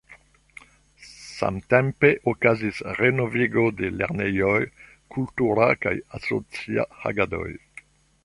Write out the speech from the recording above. Samtempe okazis renovigo de lernejoj, kultura kaj asocia agadoj.